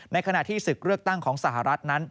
ขณะที่ศึกเลือกตั้งของสหรัฐนั้น